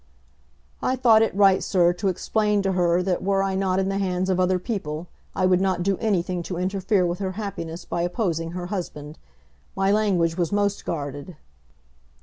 "I thought it right, sir, to explain to her that were I not in the hands of other people I would not do anything to interfere with her happiness by opposing her husband. My language was most guarded."